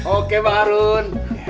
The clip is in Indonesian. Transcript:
oke pak harun